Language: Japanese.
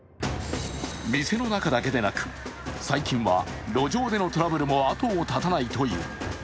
店の中だけでなく、最近は路上でのトラブルも後を絶たないという。